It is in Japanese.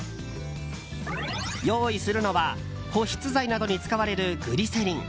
用意するのは保湿剤などに使われるグリセリン。